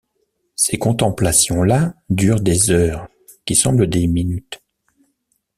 Ces contemplations-là durent des heures qui semblent des minutes.